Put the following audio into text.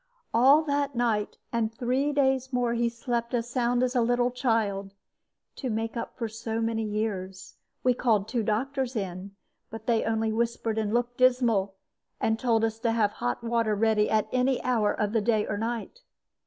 "All that night and three days more he slept as sound as a little child, to make up for so many years. We called two doctors in; but they only whispered and looked dismal, and told us to have hot water ready at any hour of the day or night.